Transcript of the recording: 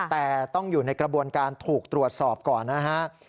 แต่ต้องอยู่ในกระบวนการถูกตรวจสอบก่อนนะฮะ